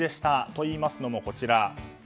といいますのも、こちら。